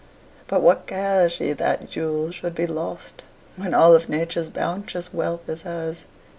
But what cares she that jewels should be lost, When all of Nature's bounteous wealth is hers?